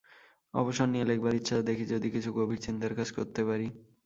অবসর নিয়ে লেখবার ইচ্ছা, দেখি যদি কিছু গভীর চিন্তার কাজ করতে পারি।